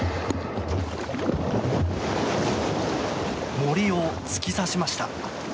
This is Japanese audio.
モリを突き刺しました。